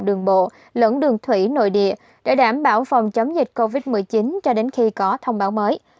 đường bộ lẫn đường thủy nội địa để đảm bảo phòng chống dịch covid một mươi chín cho đến khi có thông báo mới